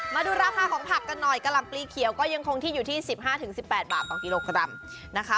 มาดูราภาของผักกันหน่อยกะลำปลี้เขียวก็ยังคงที่อยู่ที่สิบห้าถึงสิบแปดบาทต่อกิโลกรัมนะคะ